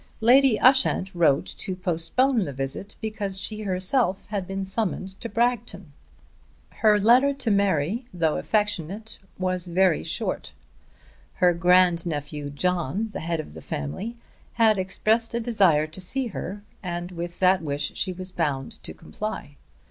Lady Ushant wrote to postpone the visit because she herself had been summoned to Bragton. Her letter to Mary, though affectionate, was very short. Her grand nephew John, the head of the family, had expressed a desire to see her, and with that wish she was bound to comply.